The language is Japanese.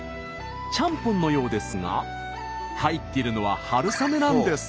ちゃんぽんのようですが入っているのは春雨なんです。